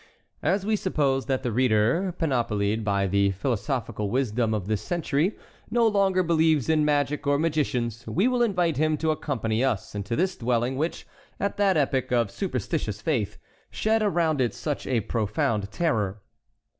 As we suppose that the reader, panoplied by the philosophical wisdom of this century, no longer believes in magic or magicians, we will invite him to accompany us into this dwelling which, at that epoch of superstitious faith, shed around it such a profound terror.